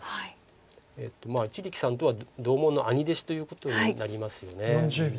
一力さんとは同門の兄弟子ということになりますよね。